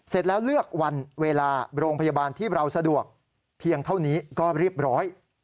เสร็จแล้วเลือกวันเวลาโรงพยาบาลที่เราสะดวกเพียงเท่านี้ก็เรียบร้อย